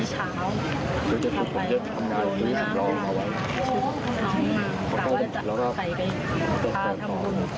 ชุดของเราแต่ว่าจะใส่ใกล้ตัวตาทำลวง